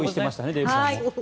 デーブさんも。